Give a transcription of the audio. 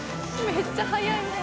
めっちゃ早い。